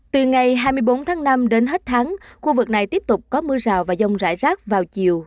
từ ngày hai mươi bốn tháng năm đến hết tháng khu vực này tiếp tục có mưa rào và dông rải rác vào chiều